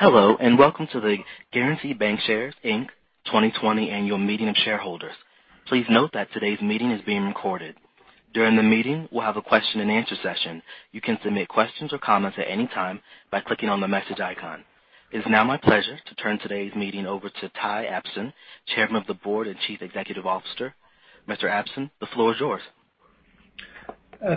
Hello, and welcome to the Guaranty Bancshares, Inc. 2020 annual meeting of shareholders. Please note that today's meeting is being recorded. During the meeting, we'll have a question and answer session. You can submit questions or comments at any time by clicking on the message icon. It's now my pleasure to turn today's meeting over to Ty Abston, Chairman of the Board and Chief Executive Officer. Mr. Abston, the floor is yours.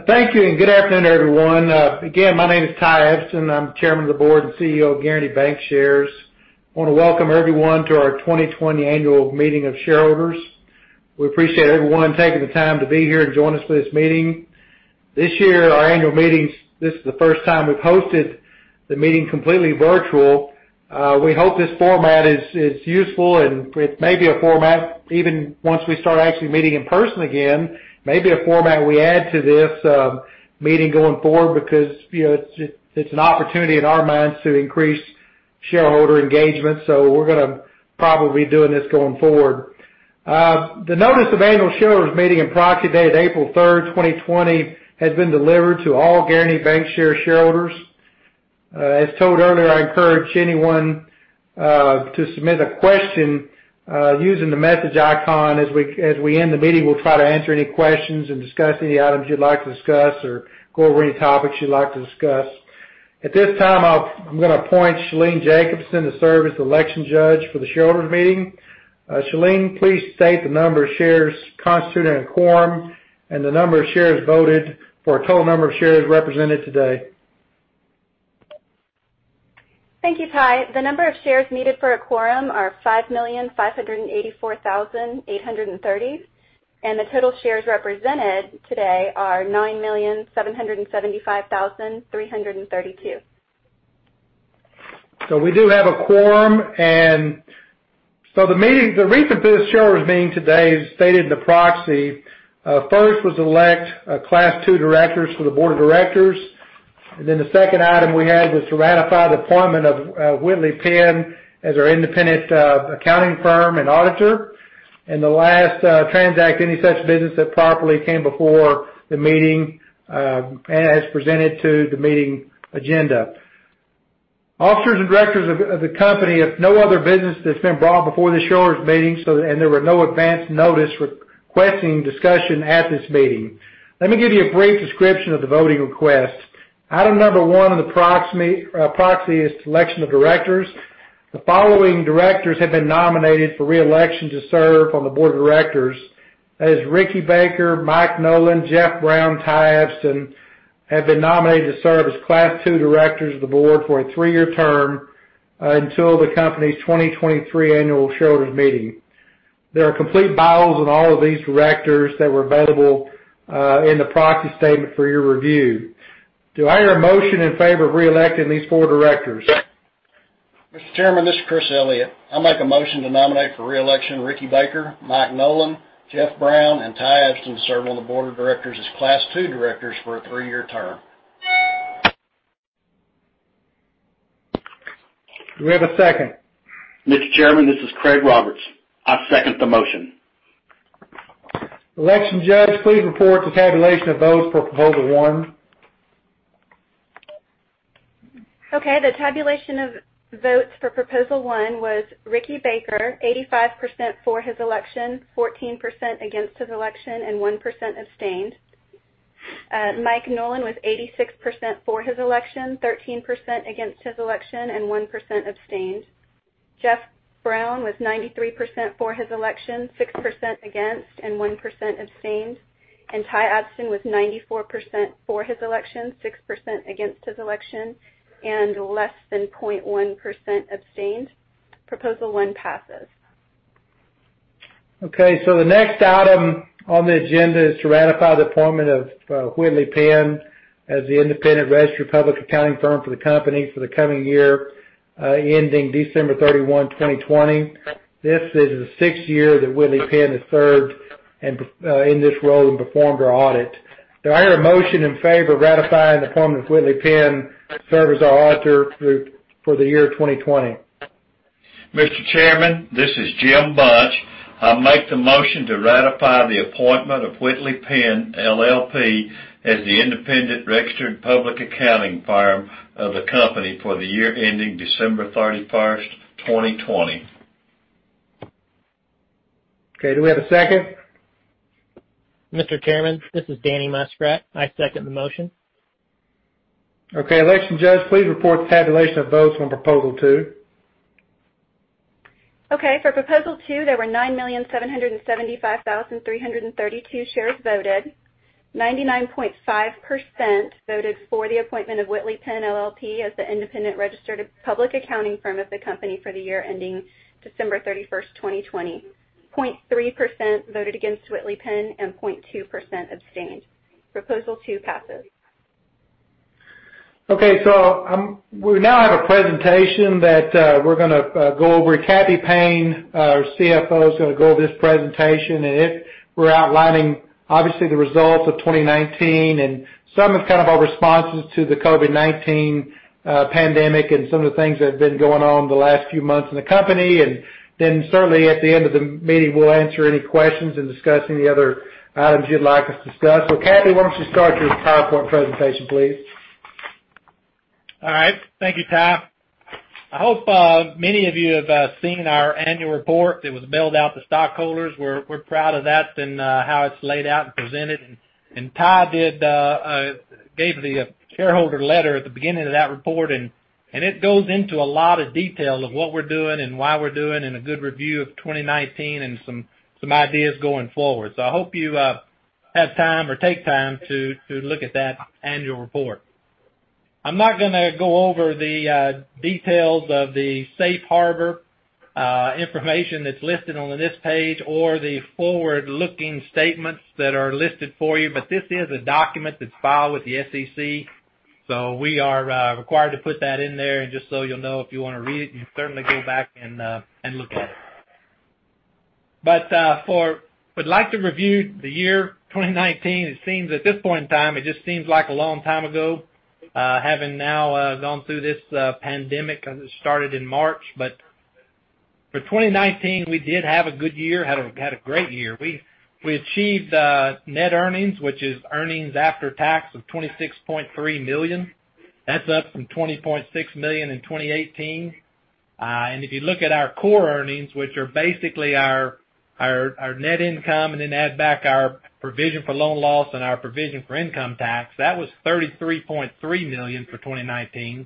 Thank you, good afternoon, everyone. Again, my name is Ty Abston. I'm Chairman of the Board and CEO of Guaranty Bancshares. I want to welcome everyone to our 2020 annual meeting of shareholders. We appreciate everyone taking the time to be here and join us for this meeting. This year, our annual meetings, this is the first time we've hosted the meeting completely virtual. We hope this format is useful, and it may be a format, even once we start actually meeting in person again, maybe a format we add to this meeting going forward because it's an opportunity in our minds to increase shareholder engagement. We're going to probably be doing this going forward. The notice of annual shareholders meeting and proxy dated April 3, 2020, has been delivered to all Guaranty Bancshares shareholders. As told earlier, I encourage anyone to submit a question using the message icon. As we end the meeting, we'll try to answer any questions and discuss any items you'd like to discuss or go over any topics you'd like to discuss. At this time, I'm going to appoint Shalene Jacobson to serve as the election judge for the shareholders' meeting. Shalene, please state the number of shares constituting a quorum and the number of shares voted for a total number of shares represented today. Thank you, Ty. The number of shares needed for a quorum are 5,584,830. The total shares represented today are 9,775,332. We do have a quorum. The reason for this shareholders meeting today, as stated in the proxy, first was to elect class 2 directors for the board of directors. The second item we had was to ratify the appointment of Whitley Penn as our independent accounting firm and auditor. The last, transact any such business that properly came before the meeting, as presented to the meeting agenda. Officers and directors of the company, if no other business that's been brought before the shareholders meeting, and there were no advance notice requesting discussion at this meeting. Let me give you a brief description of the voting request. Item number 1 in the proxy is selection of directors. The following directors have been nominated for re-election to serve on the board of directors. That is Ricky Baker, Mike Nolan, Jeff Brown, Ty Abston, have been nominated to serve as class 2 directors of the board for a 3-year term until the company's 2023 annual shareholders meeting. There are complete bios on all of these directors that were available in the proxy statement for your review. Do I hear a motion in favor of re-electing these four directors? Mr. Chairman, this is Chris Elliott. I make a motion to nominate for re-election, Ricky Baker, Mike Nolan, Jeff Brown, and Ty Abston to serve on the board of directors as class 2 directors for a three-year term. Do we have a second? Mr. Chairman, this is Craig Roberts. I second the motion. Election judge, please report the tabulation of votes for proposal one. Okay. The tabulation of votes for proposal one was Ricky Baker, 85% for his election, 14% against his election, and 1% abstained. Mike Nolan was 86% for his election, 13% against his election, and 1% abstained. Jeff Brown was 93% for his election, 6% against, and 1% abstained. Ty Abston was 94% for his election, 6% against his election, and less than 0.1% abstained. Proposal one passes. Okay. The next item on the agenda is to ratify the appointment of Whitley Penn as the independent registered public accounting firm for the company for the coming year ending December 31, 2020. This is the sixth year that Whitley Penn has served in this role and performed our audit. Do I hear a motion in favor of ratifying the appointment of Whitley Penn to serve as our auditor for the year 2020? Mr. Chairman, this is Jim Bunch. I make the motion to ratify the appointment of Whitley Penn LLP as the independent registered public accounting firm of the company for the year ending December 31st, 2020. Okay. Do we have a second? Mr. Chairman, this is Danny Muspratt. I second the motion. Election judge, please report the tabulation of votes on proposal 2. For proposal two, there were 9,775,332 shares voted. 99.5% voted for the appointment of Whitley Penn LLP as the independent registered public accounting firm of the company for the year ending December 31st, 2020. 0.3% voted against Whitley Penn, 0.2% abstained. Proposal two passes. We now have a presentation that we're going to go over. Cappy Payne, our CFO, is going to go over this presentation. In it we're outlining, obviously, the results of 2019 and some of our responses to the COVID-19 pandemic and some of the things that have been going on the last few months in the company and then certainly at the end of the meeting, we'll answer any questions and discuss any other items you'd like us to discuss. Cappy, why don't you start your PowerPoint presentation, please? All right. Thank you, Ty. I hope many of you have seen our annual report that was mailed out to stockholders. We're proud of that and how it's laid out and presented. Ty gave the shareholder letter at the beginning of that report, and it goes into a lot of detail of what we're doing and why we're doing, and a good review of 2019, and some ideas going forward. I hope you have time or take time to look at that annual report. I'm not going to go over the details of the safe harbor information that's listed on this page or the forward-looking statements that are listed for you, but this is a document that's filed with the SEC, so we are required to put that in there. Just so you'll know, if you want to read it, you can certainly go back and look at it. We'd like to review the year 2019. It seems at this point in time, it just seems like a long time ago, having now gone through this pandemic as it started in March. For 2019, we did have a good year, had a great year. We achieved net earnings, which is earnings after tax of $26.3 million. That's up from $20.6 million in 2018. If you look at our core earnings, which are basically our net income and then add back our provision for loan loss and our provision for income tax, that was $33.3 million for 2019,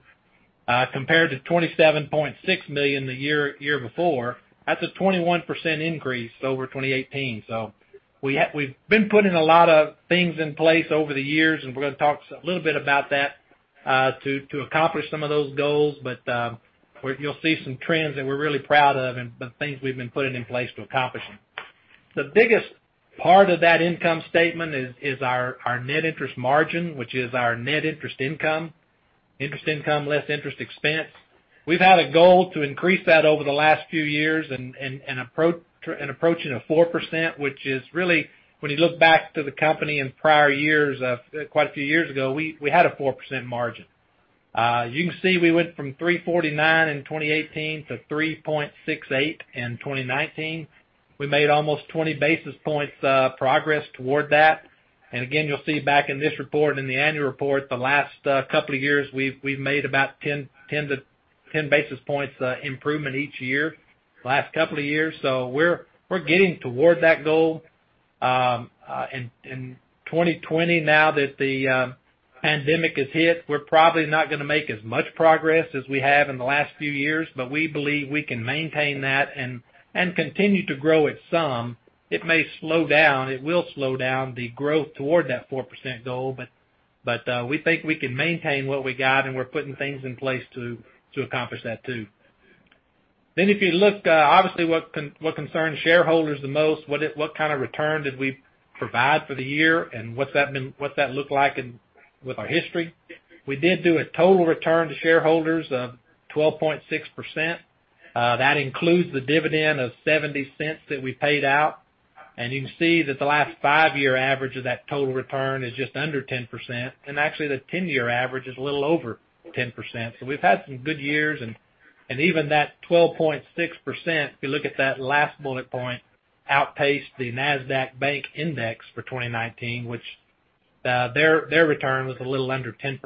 compared to $27.6 million the year before. That's a 21% increase over 2018. We've been putting a lot of things in place over the years, and we're going to talk a little bit about that, to accomplish some of those goals, but you'll see some trends that we're really proud of and the things we've been putting in place to accomplish them. The biggest part of that income statement is our net interest margin, which is our net interest income, interest income less interest expense. We've had a goal to increase that over the last few years and approaching a 4%, which is really, when you look back to the company in prior years, quite a few years ago, we had a 4% margin. You can see we went from 3.49% in 2018 to 3.68% in 2019. We made almost 20 basis points progress toward that. Again, you'll see back in this report and in the annual report, the last couple of years, we've made about 10 basis points improvement each year, last couple of years. We're getting toward that goal. In 2020, now that the pandemic has hit, we're probably not going to make as much progress as we have in the last few years, but we believe we can maintain that and continue to grow it some. It may slow down. It will slow down the growth toward that 4% goal, but we think we can maintain what we got, and we're putting things in place to accomplish that too. If you look, obviously, what concerns shareholders the most, what kind of return did we provide for the year, and what's that look like with our history? We did do a total return to shareholders of 12.6%. That includes the dividend of $0.70 that we paid out. You can see that the last five-year average of that total return is just under 10%, and actually the 10-year average is a little over 10%. We've had some good years, and even that 12.6%, if you look at that last bullet point, outpaced the Nasdaq Bank Index for 2019, which their return was a little under 10%.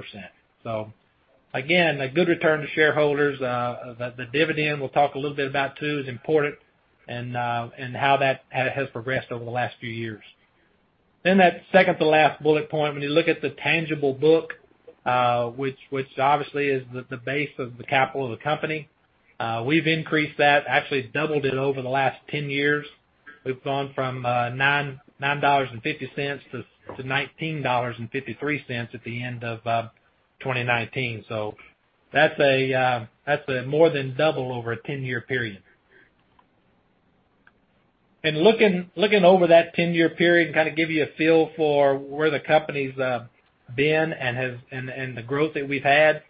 Again, a good return to shareholders. The dividend we'll talk a little bit about too is important and how that has progressed over the last few years. That second to last bullet point, when you look at the tangible book, which obviously is the base of the capital of the company, we've increased that, actually doubled it over the last 10 years. We've gone from $9.50 to $19.53 at the end of 2019. That's more than double over a 10-year period. Looking over that 10-year period and kind of give you a feel for where the company's been and the growth that we've had,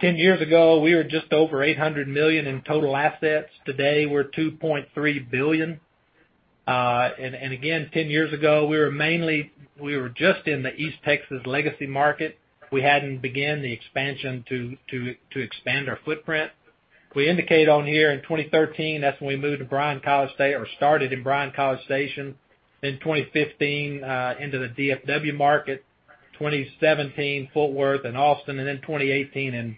10 years ago, we were just over $800 million in total assets. Today, we're $2.3 billion. Again, 10 years ago, we were just in the East Texas legacy market. We hadn't begun the expansion to expand our footprint. We indicate on here in 2013, that's when we moved to Bryan-College Station or started in Bryan-College Station. 2015, into the DFW market, 2017, Fort Worth and Austin, 2018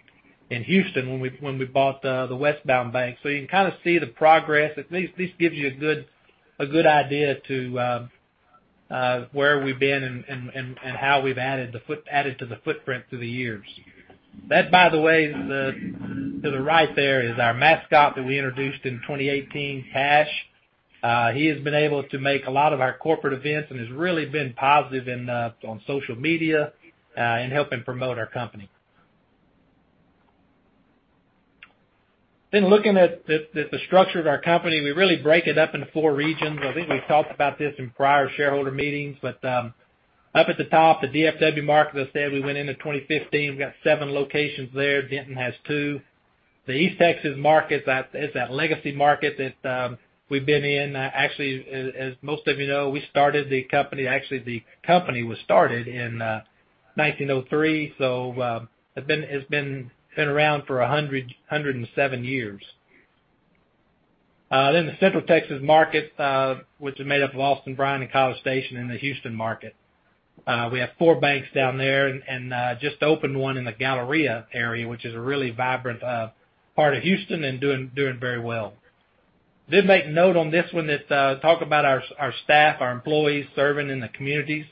in Houston when we bought the Westbound Bank. You can kind of see the progress. At least this gives you a good idea to where we've been and how we've added to the footprint through the years. That, by the way, to the right there, is our mascot that we introduced in 2018, Cash. He has been able to make a lot of our corporate events and has really been positive on social media in helping promote our company. Looking at the structure of our company, we really break it up into four regions. I think we've talked about this in prior shareholder meetings, up at the top, the DFW market, as I said, we went into 2015. We've got seven locations there. Denton has two. The East Texas market, it's that legacy market that we've been in. Actually, as most of you know, we started the company in 1903, it's been around for 107 years. The Central Texas market, which is made up of Austin, Bryan, and College Station, and the Houston market. We have four banks down there and just opened one in the Galleria area, which is a really vibrant part of Houston, and doing very well. Did make note on this one that talk about our staff, our employees serving in the communities,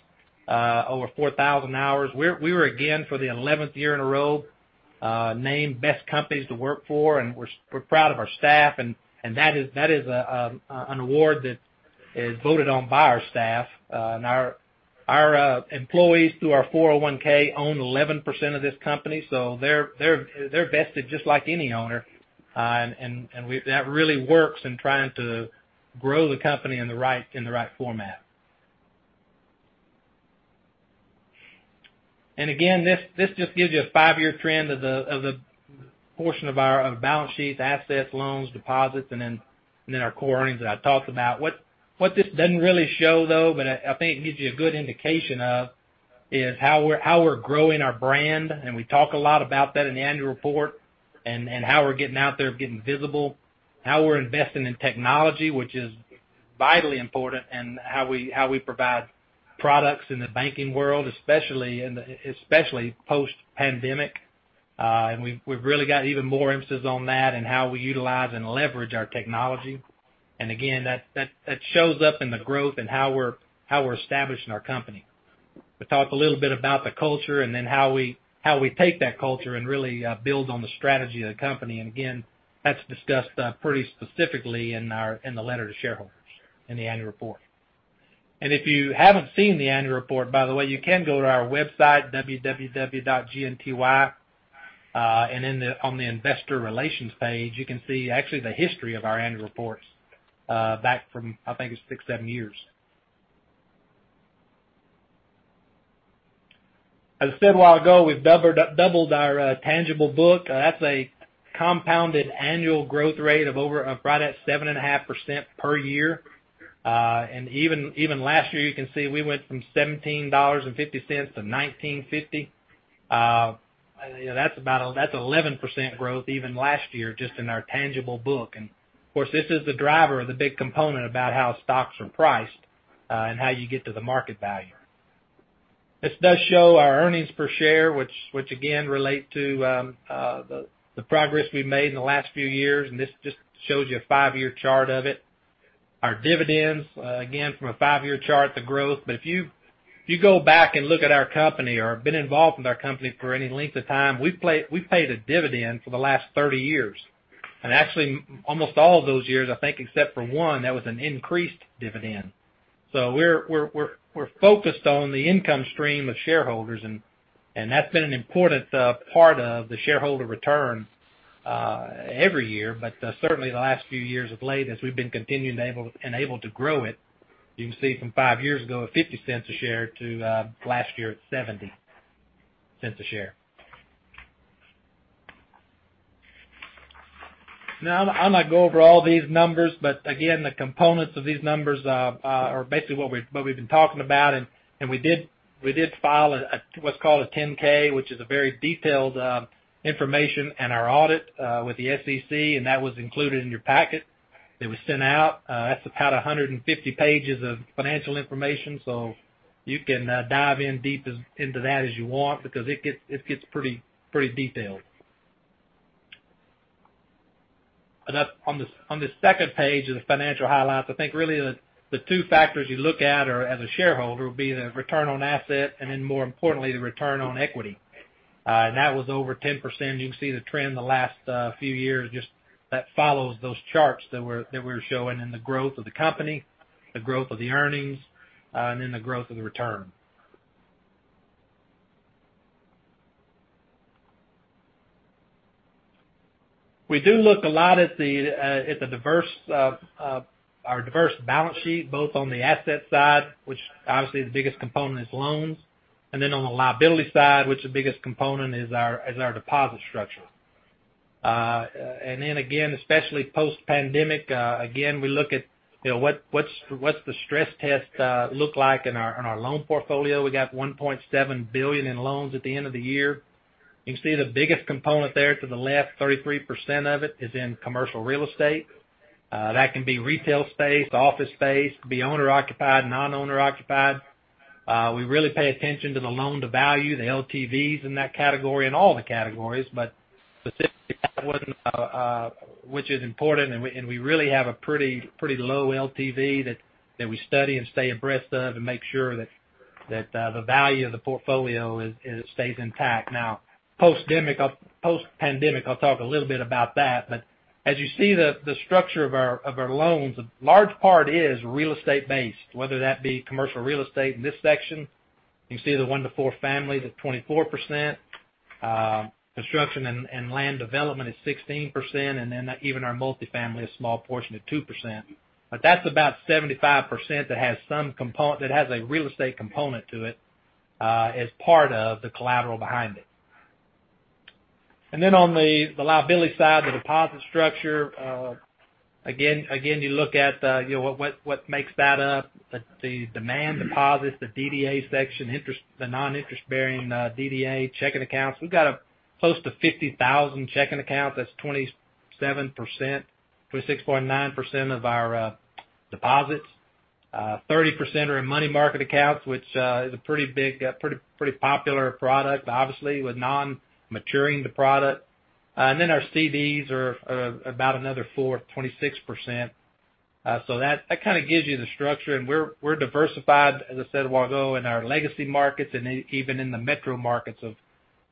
over 4,000 hours. We were, again, for the 11th year in a row, named Best Companies to Work For, and we're proud of our staff. That is an award that is voted on by our staff. Our employees, through our 401(k), own 11% of this company, so they're vested just like any owner. That really works in trying to grow the company in the right format. Again, this just gives you a five-year trend of the portion of balance sheets, assets, loans, deposits, and then our core earnings that I talked about. What this doesn't really show, though, but I think it gives you a good indication of, is how we're growing our brand. We talk a lot about that in the annual report, how we're getting out there, getting visible, how we're investing in technology, which is vitally important in how we provide products in the banking world, especially post-pandemic. We've really got even more emphasis on that and how we utilize and leverage our technology. Again, that shows up in the growth and how we're establishing our company. We talk a little bit about the culture, then how we take that culture and really build on the strategy of the company. Again, that's discussed pretty specifically in the letter to shareholders in the annual report. If you haven't seen the annual report, by the way, you can go to our website, www.gnty.com. On the investor relations page, you can see actually the history of our annual reports back from, I think it's six, seven years. As I said a while ago, we've doubled our tangible book. That's a compounded annual growth rate of right at 7.5% per year. Even last year, you can see we went from $17.50 to $19.50. That's 11% growth even last year, just in our tangible book. Of course, this is the driver of the big component about how stocks are priced, and how you get to the market value. This does show our earnings per share, which again, relate to the progress we've made in the last few years, and this just shows you a five-year chart of it. Our dividends, again, from a five-year chart, the growth. If you go back and look at our company or have been involved with our company for any length of time, we've paid a dividend for the last 30 years. Actually, almost all of those years, I think except for one, that was an increased dividend. We're focused on the income stream of shareholders, and that's been an important part of the shareholder return every year, but certainly the last few years of late, as we've been continuing and able to grow it. You can see from five years ago at $0.50 a share to last year at $0.70 a share. I'll not go over all these numbers, but again, the components of these numbers are basically what we've been talking about, and we did file what's called a 10-K, which is a very detailed information, and our audit with the SEC, and that was included in your packet that was sent out. That's about 150 pages of financial information, so you can dive in deep into that as you want because it gets pretty detailed. On the second page of the financial highlights, I think really the two factors you look at are, as a shareholder, will be the return on asset, and then more importantly, the return on equity. That was over 10%. You can see the trend the last few years, just that follows those charts that we're showing in the growth of the company, the growth of the earnings, and then the growth of the return. We do look a lot at our diverse balance sheet, both on the asset side, which obviously the biggest component is loans, and then on the liability side, which the biggest component is our deposit structure. Especially post-pandemic, again, we look at what's the stress test look like in our loan portfolio. We got $1.7 billion in loans at the end of the year. You can see the biggest component there to the left, 33% of it is in commercial real estate. That can be retail space, office space, could be owner-occupied, non-owner occupied. We really pay attention to the loan-to-value, the LTVs in that category and all the categories, but specifically that one, which is important, we really have a pretty low LTV that we study and stay abreast of and make sure that the value of the portfolio stays intact. Post-pandemic, I'll talk a little bit about that. As you see the structure of our loans, a large part is real estate based, whether that be commercial real estate in this section. You can see the one to four family, the 24%, construction and land development is 16%, then even our multifamily, a small portion of 2%. That's about 75% that has a real estate component to it as part of the collateral behind it. On the liability side, the deposit structure, again, you look at what makes that up. The demand deposits, the DDA section, the non-interest-bearing DDA checking accounts. We've got close to 50,000 checking accounts. That's 27%, 26.9% of our deposits. 30% are in money market accounts, which is a pretty big, pretty popular product, obviously, with non-maturing the product. Our CDs are about another 4%, 26%. That kind of gives you the structure. We're diversified, as I said a while ago, in our legacy markets and even in the metro markets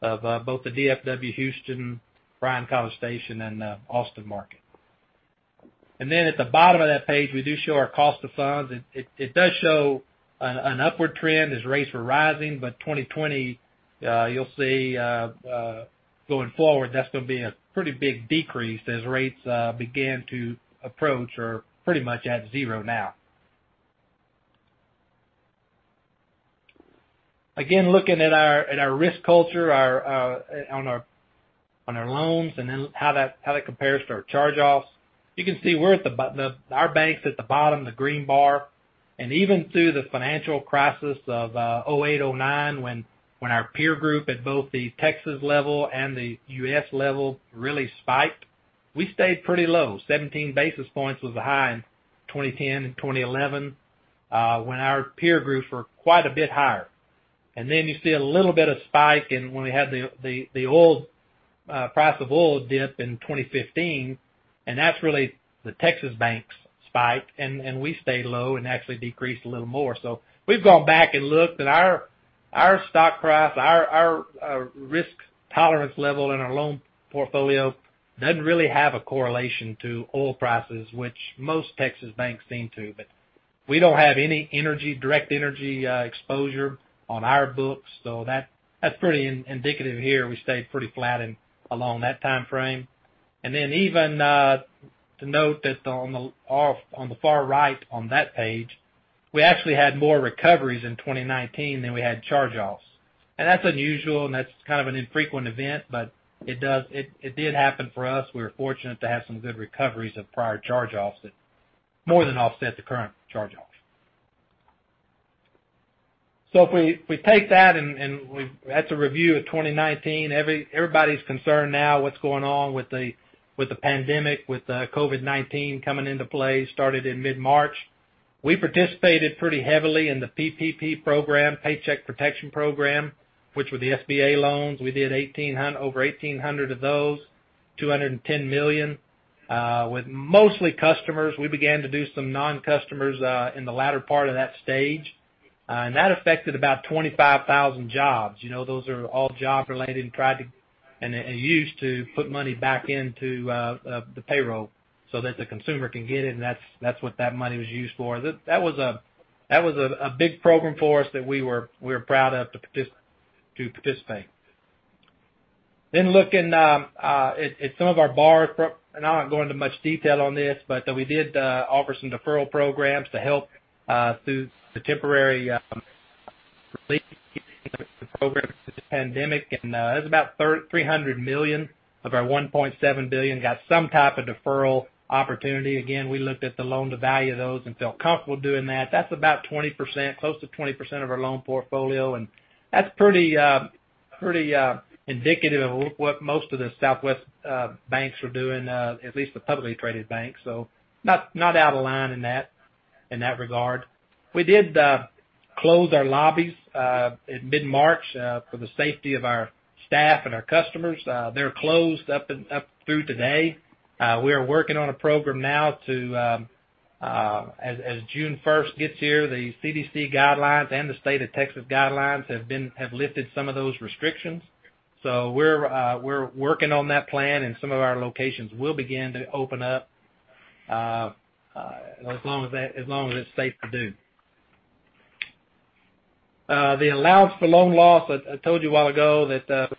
of both the DFW, Houston, Bryan-College Station, and Austin market. At the bottom of that page, we do show our cost of funds. It does show an upward trend as rates were rising, 2020, you'll see, going forward, that's going to be a pretty big decrease as rates begin to approach or are pretty much at zero now. Again, looking at our risk culture on our loans and then how that compares to our charge-offs. You can see our bank's at the bottom, the green bar, and even through the financial crisis of 2008, 2009, when our peer group at both the Texas level and the U.S. level really spiked, we stayed pretty low. 17 basis points was the high in 2010 and 2011, when our peer groups were quite a bit higher. You see a little bit of spike in when we had the price of oil dip in 2015, and that's really the Texas banks spike, and we stayed low and actually decreased a little more. We've gone back and looked at our stock price, our risk tolerance level in our loan portfolio doesn't really have a correlation to oil prices, which most Texas banks seem to. We don't have any direct energy exposure on our books, that's pretty indicative here. We stayed pretty flat along that timeframe. Even to note that on the far right on that page, we actually had more recoveries in 2019 than we had charge-offs. That's unusual and that's kind of an infrequent event, it did happen for us. We were fortunate to have some good recoveries of prior charge-offs that more than offset the current charge-offs. If we take that, and that's a review of 2019. Everybody's concerned now what's going on with the pandemic, with the COVID-19 coming into play, started in mid-March. We participated pretty heavily in the PPP program, Paycheck Protection Program, which were the SBA loans. We did over 1,800 of those, $210 million, with mostly customers. We began to do some non-customers in the latter part of that stage. That affected about 25,000 jobs. Those are all job related and used to put money back into the payroll so that the consumer can get it, and that's what that money was used for. That was a big program for us that we're proud of to participate. Looking at some of our borrowers, and I'm not going into much detail on this, but we did offer some deferral programs to help through the temporary relief programs due to the pandemic, and it was about $300 million of our $1.7 billion got some type of deferral opportunity. Again, we looked at the loan to value those and felt comfortable doing that. That's about 20%, close to 20% of our loan portfolio, and that's pretty indicative of what most of the Southwest banks are doing, at least the publicly traded banks. Not out of line in that regard. We did close our lobbies in mid-March, for the safety of our staff and our customers. They're closed up through today. We are working on a program now to, as June 1st gets here, the CDC guidelines and the State of Texas guidelines have lifted some of those restrictions. We're working on that plan, and some of our locations will begin to open up, as long as it's safe to do. The allowance for loan loss, I told you a while ago that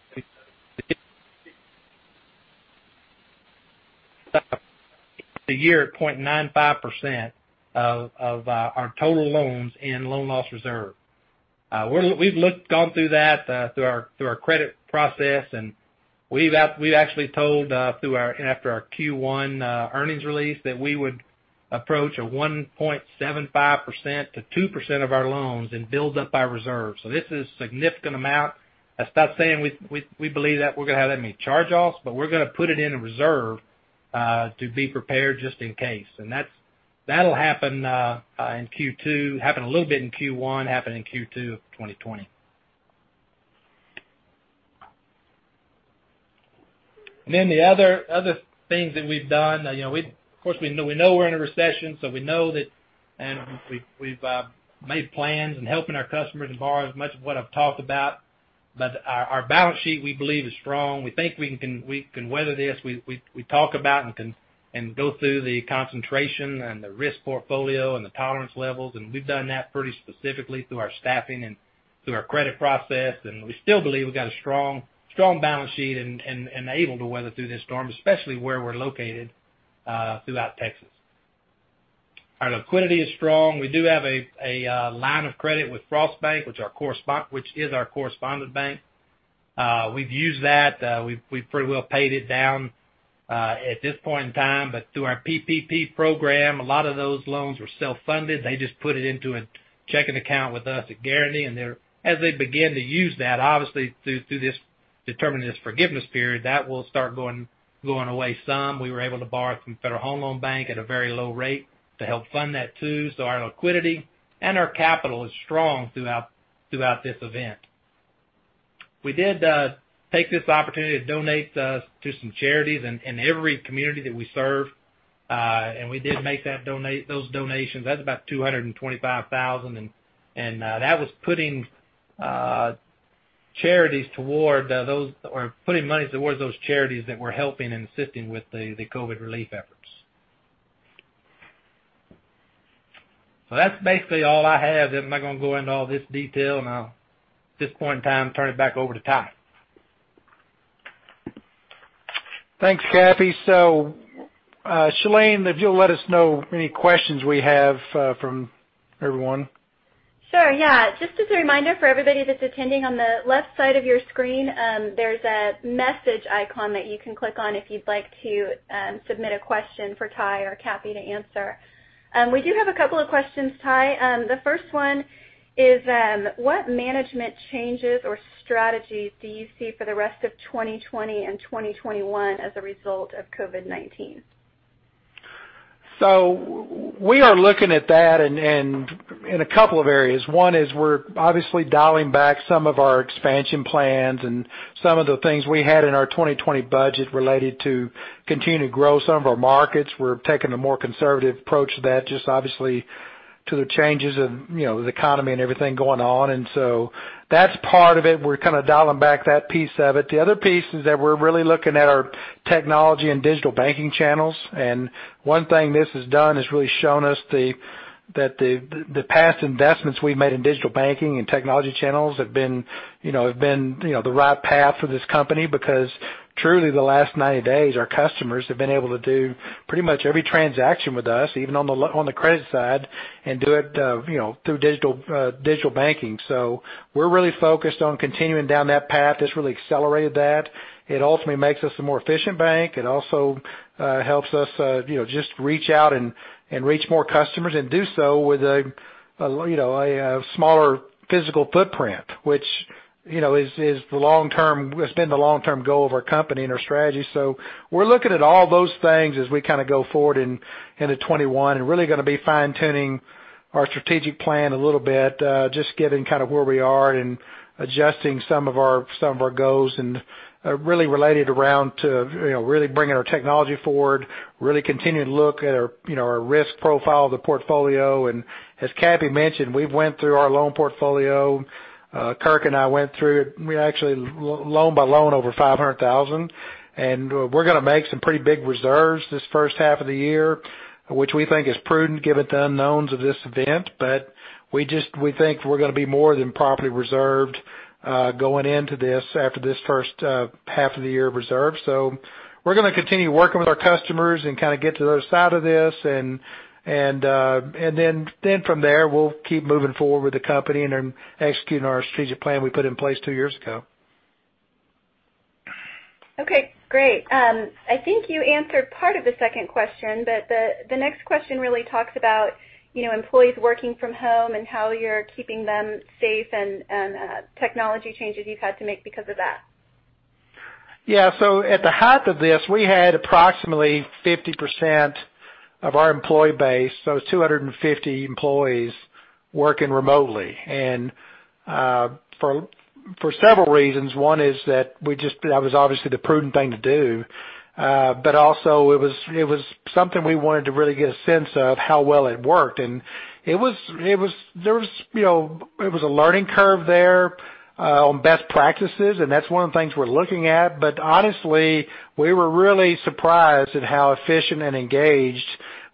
the year at 0.95% of our total loans in loan loss reserve. We've gone through that through our credit process, and we've actually told after our Q1 earnings release that we would approach a 1.75%-2% of our loans and build up our reserve. This is a significant amount. That's not saying we believe that we're going to have any charge-offs, but we're going to put it in a reserve to be prepared just in case. That'll happen in Q2, happened a little bit in Q1, happen in Q2 of 2020. The other things that we've done, of course, we know we're in a recession, we know that, we've made plans in helping our customers and borrowers, much of what I've talked about. Our balance sheet, we believe, is strong. We think we can weather this. We talk about and go through the concentration and the risk portfolio and the tolerance levels, and we've done that pretty specifically through our staffing and through our credit process, and we still believe we've got a strong balance sheet and able to weather through this storm, especially where we're located throughout Texas. Our liquidity is strong. We do have a line of credit with Frost Bank, which is our correspondent bank. We've used that. We've pretty well paid it down, at this point in time. Through our PPP program, a lot of those loans were self-funded. They just put it into a checking account with us at Guaranty, and as they begin to use that, obviously, through determining this forgiveness period, that will start going away some. We were able to borrow from Federal Home Loan Bank at a very low rate to help fund that too. Our liquidity and our capital is strong throughout this event. We did take this opportunity to donate to some charities in every community that we serve. We did make those donations. That's about $225,000. That was putting monies towards those charities that were helping and assisting with the COVID relief efforts. That's basically all I have. I'm not going to go into all this detail, and at this point in time, turn it back over to Ty. Thanks, Cappy. Shalene, if you'll let us know any questions we have from everyone. Sure, yeah. Just as a reminder for everybody that's attending, on the left side of your screen, there's a message icon that you can click on if you'd like to submit a question for Ty or Cappy to answer. We do have a couple of questions, Ty. The first one is, what management changes or strategies do you see for the rest of 2020 and 2021 as a result of COVID-19? We are looking at that in a couple of areas. One is we're obviously dialing back some of our expansion plans and some of the things we had in our 2020 budget related to continuing to grow some of our markets. We're taking a more conservative approach to that, just obviously to the changes of the economy and everything going on. That's part of it. We're kind of dialing back that piece of it. The other piece is that we're really looking at our technology and digital banking channels. One thing this has done is really shown us that the past investments we've made in digital banking and technology channels have been the right path for this company because truly, the last 90 days, our customers have been able to do pretty much every transaction with us, even on the credit side, and do it through digital banking. We're really focused on continuing down that path. It's really accelerated that. It ultimately makes us a more efficient bank. It also helps us just reach out and reach more customers and do so with a smaller physical footprint, which has been the long-term goal of our company and our strategy. We're looking at all those things as we kind of go forward into 2021, and really going to be fine-tuning our strategic plan a little bit, just getting kind of where we are and adjusting some of our goals and really related around to really bringing our technology forward, really continuing to look at our risk profile of the portfolio. As Cappy mentioned, we went through our loan portfolio. Kirk and I went through it, actually loan-by-loan, over 500,000. We're going to make some pretty big reserves this first half of the year, which we think is prudent given the unknowns of this event. We think we're going to be more than properly reserved, going into this after this first half of the year reserve. We're going to continue working with our customers and kind of get to the other side of this. From there, we'll keep moving forward with the company and executing our strategic plan we put in place two years ago. Okay, great. I think you answered part of the second question, but the next question really talks about employees working from home and how you're keeping them safe and technology changes you've had to make because of that. Yeah. At the height of this, we had approximately 50% of our employee base, so it's 250 employees, working remotely. For several reasons. One is that that was obviously the prudent thing to do. Also it was something we wanted to really get a sense of how well it worked. It was a learning curve there on best practices, and that's one of the things we're looking at. Honestly, we were really surprised at how efficient and engaged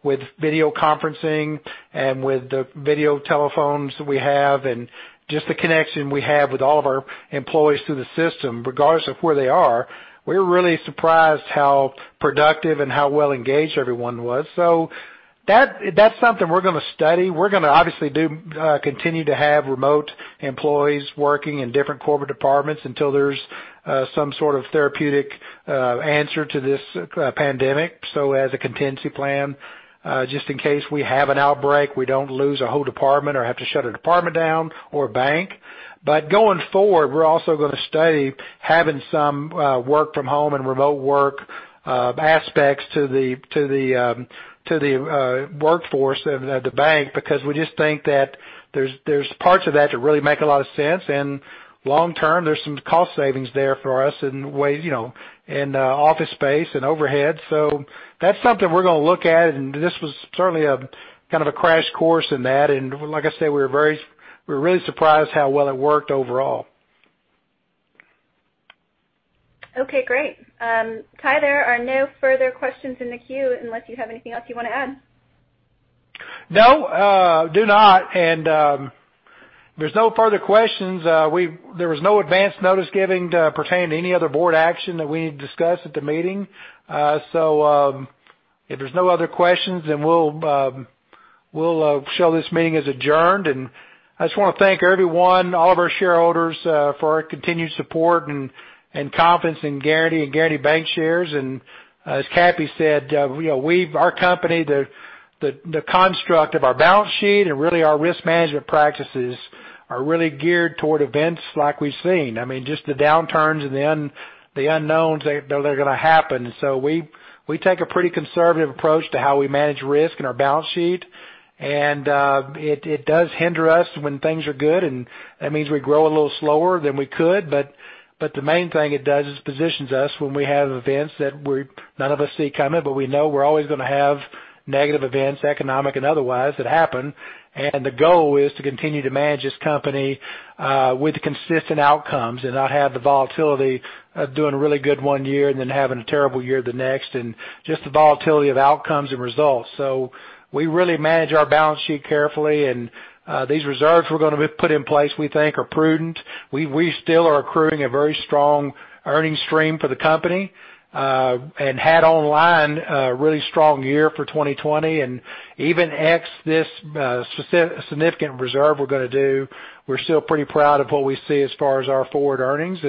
with video conferencing and with the video telephones that we have and just the connection we have with all of our employees through the system, regardless of where they are. We were really surprised how productive and how well engaged everyone was. That's something we're going to study. We're going to obviously continue to have remote employees working in different corporate departments until there's some sort of therapeutic answer to this pandemic. As a contingency plan, just in case we have an outbreak, we don't lose a whole department or have to shut a department down or a bank. Going forward, we're also going to study having some work from home and remote work aspects to the workforce at the bank, because we just think that there's parts of that really make a lot of sense, and long term, there's some cost savings there for us in office space and overhead. That's something we're going to look at, and this was certainly kind of a crash course in that. Like I said, we were really surprised how well it worked overall. Okay, great. Ty, there are no further questions in the queue unless you have anything else you want to add. No, I do not. If there's no further questions, there was no advance notice given pertaining to any other board action that we need to discuss at the meeting. If there's no other questions, then we'll show this meeting as adjourned. I just want to thank everyone, all of our shareholders, for our continued support and confidence in Guaranty and Guaranty Bancshares. As Cappy said, our company, the construct of our balance sheet and really our risk management practices are really geared toward events like we've seen. I mean, just the downturns and the unknowns, they're going to happen. We take a pretty conservative approach to how we manage risk in our balance sheet. It does hinder us when things are good, and that means we grow a little slower than we could. The main thing it does is positions us when we have events that none of us see coming, but we know we're always going to have negative events, economic and otherwise, that happen. The goal is to continue to manage this company with consistent outcomes and not have the volatility of doing really good one year and then having a terrible year the next, and just the volatility of outcomes and results. We really manage our balance sheet carefully, and these reserves we're going to put in place we think are prudent. We still are accruing a very strong earnings stream for the company, and had online a really strong year for 2020, and even ex this significant reserve we're going to do, we're still pretty proud of what we see as far as our forward earnings.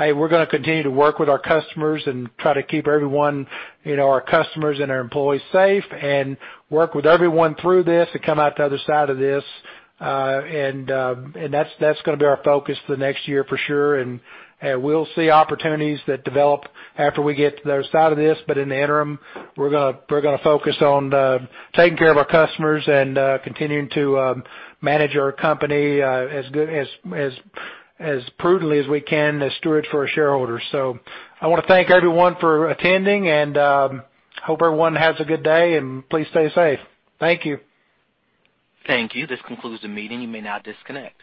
Hey, we're going to continue to work with our customers and try to keep everyone, our customers and our employees, safe and work with everyone through this and come out the other side of this. That's going to be our focus the next year for sure. We'll see opportunities that develop after we get to the other side of this. In the interim, we're going to focus on taking care of our customers and continuing to manage our company as prudently as we can as stewards for our shareholders. I want to thank everyone for attending, and hope everyone has a good day, and please stay safe. Thank you. Thank you. This concludes the meeting. You may now disconnect.